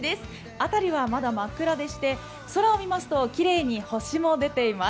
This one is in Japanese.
辺りはまだ真っ暗でして空を見ますときれいに星も出ています。